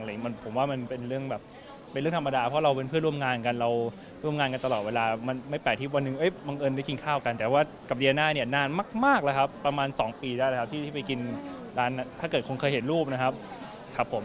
ผมว่ามันเป็นเรื่องแบบเป็นเรื่องธรรมดาเพราะเราเป็นเพื่อนร่วมงานกันเราร่วมงานกันตลอดเวลามันไม่แปลกที่วันหนึ่งบังเอิญได้กินข้าวกันแต่ว่ากับเดียน่าเนี่ยนานมากแล้วครับประมาณ๒ปีได้แล้วที่ไปกินร้านถ้าเกิดคงเคยเห็นรูปนะครับครับผม